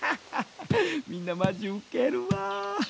みんなマジウケるわ。